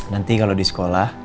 nanti kalau di sekolah